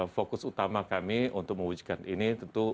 fokus utama kami untuk mewujudkan ini tentu